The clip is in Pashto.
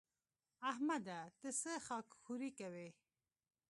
احمده! ته څه خاک ښوري کوې؟